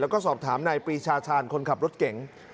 แล้วก็สอบถามนายปีชาชาญคนขับรถเก๋ง